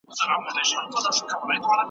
ما پرېکړه وکړه چې له خپلو اندېښنو سره مخ شم.